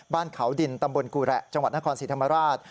บ้านเขาดินตำบลกุระจังหวัดนครศรีธรรมราช